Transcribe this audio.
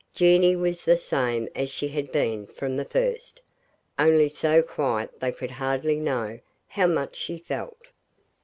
Jeanie was the same as she had been from the first, only so quiet they could hardly know how much she felt.